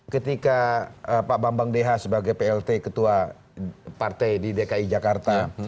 ketika pak bambang dh sebagai plt ketua partai di dki jakarta